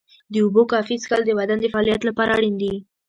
د اوبو کافي څښل د بدن د فعالیت لپاره اړین دي.